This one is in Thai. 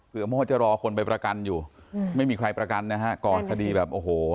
เมื่อวานจะรอคนไปประกันอยู่ไม่มีใครประกันนะฮะก่อคดีแบบโอ้โห